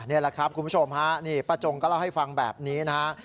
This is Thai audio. นี่แหละครับคุณผู้ชมฮะนี่ป้าจงก็เล่าให้ฟังแบบนี้นะฮะ